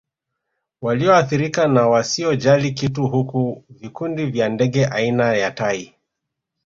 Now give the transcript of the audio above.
Walioathirika na wasiojali kitu huku vikundi vya ndege aina ya tai